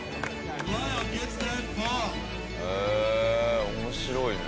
へえ面白いね。